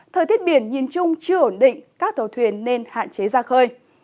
thời tiết biển nhìn chung chưa ổn định các tàu thuyền nên hạn chế ra khơi